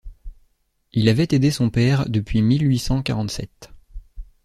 il avait aidé son père depuis mille huit cent quarante-sept.